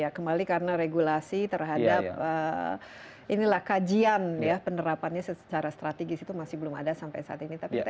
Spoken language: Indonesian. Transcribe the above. ya kembali karena regulasi terhadap inilah kajian ya penerapannya secara strategis itu masih belum ada sampai saat ini